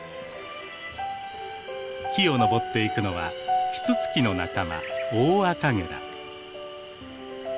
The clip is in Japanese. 木を登っていくのはキツツキの仲間オオアカゲラ。